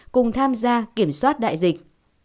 cùng tham gia kiểm soát đại dịch